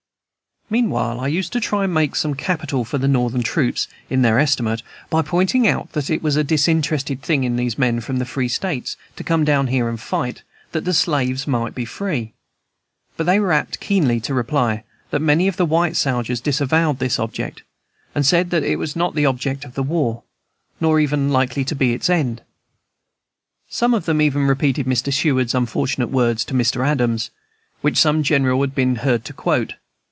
Meanwhile, I used to try to make some capital for the Northern troops, in their estimate, by pointing out that it was a disinterested thing in these men from the free States, to come down there and fight, that the slaves might be free. But they were apt keenly to reply, that many of the white soldiers disavowed this object, and said that that was not the object of the war, nor even likely to be its end. Some of them even repeated Mr. Seward's unfortunate words to Mr. Adams, which some general had been heard to quote.